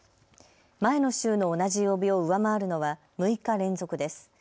前の週の同じ曜日を上回るのは６日連続です。